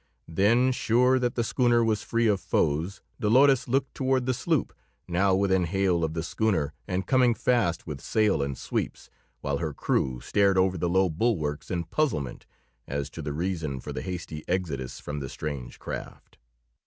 Then, sure that the schooner was free of foes, Dolores looked toward the sloop, now within hail of the schooner and coming fast with sail and sweeps, while her crew stared over the low bulwarks in puzzlement as to the reason for the hasty exodus from the strange craft.